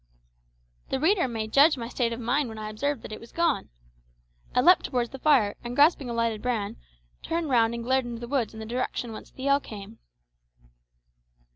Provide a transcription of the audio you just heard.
The reader may judge of my state of mind when I observed that it was gone! I leaped towards the fire, and grasping a lighted brand, turned round and glared into the woods in the direction whence the yell came.